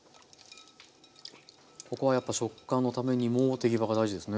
ここはやっぱり食感のためにも手際が大事ですね。